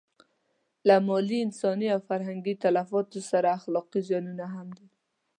له مالي، انساني او فرهنګي تلفاتو سره اخلاقي زیانونه هم دي.